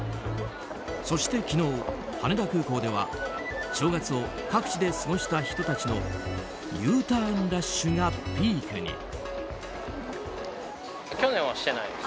そして昨日、羽田空港では正月を各地で過ごした人たちのＵターンラッシュがピークに。